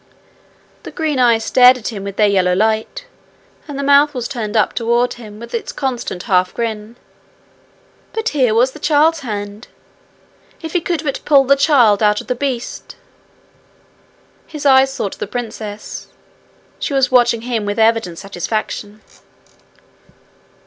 The green eyes stared at him with their yellow light, and the mouth was turned up toward him with its constant half grin; but here was the child's hand! If he could but pull the child out of the beast! His eyes sought the princess. She was watching him with evident satisfaction.